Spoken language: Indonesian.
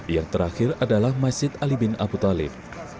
yang terakhir adalah masjid ali bin abu talib